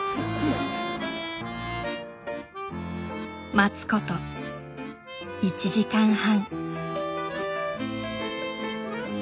待つこと１時間半。